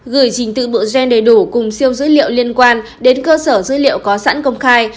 gửi trình tự bộ gen đầy đủ cùng siêu dữ liệu liên quan đến cơ sở dữ liệu có sẵn công khai